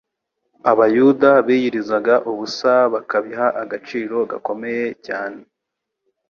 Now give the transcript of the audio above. Abayuda biyirizaga ubusa bakabiha agaciro gakomeye cyane,